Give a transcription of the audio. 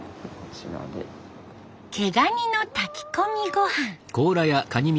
毛ガニの炊き込み御飯。